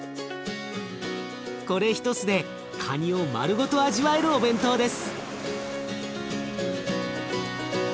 これ一つでかにを丸ごと味わえるお弁当です。